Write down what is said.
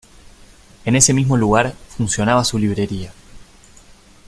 En ese mismo lugar funcionaba su librería.